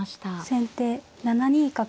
先手７二角。